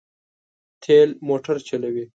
تېل موټر چلوي.